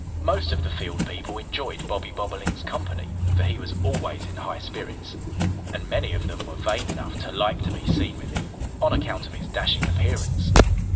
Most of the field people enjoyed Bobby Bobolink's company, for he was always in high spirits. And many of them were vain enough to like to be seen with him, on account of his dashing appearance.